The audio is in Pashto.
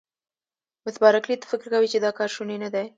مس بارکلي: ته فکر کوې چې دا کار شونی نه دی؟